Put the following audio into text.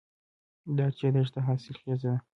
د ارچي دښته حاصلخیزه ده